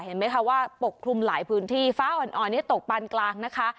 เห็นไหมคะว่าปกคลุมหลายพื้นที่ฟ้าอ่อนนี้ตกปานกลางนะคะ